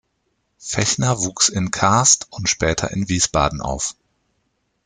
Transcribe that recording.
Fechner wuchs in Kaarst und später in Wiesbaden auf.